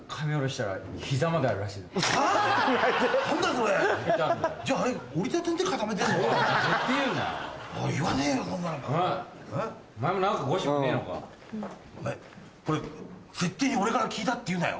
これぜってぇに俺から聞いたって言うなよ？